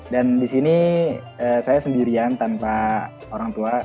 dan di sini saya sendirian tanpa orang tua